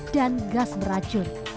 dan gas beracun